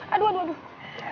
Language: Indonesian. aduh aduh aduh